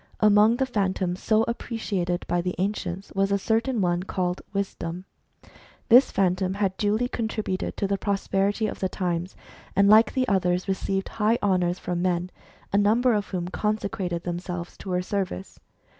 Among the Phantoms so appreciated by the ancients was a certain one called Wisdom. This Phan tom had duly contributed to the prosperity of the times, and like the others received high honour from men, a _ number of whom consecrated themselves to her service.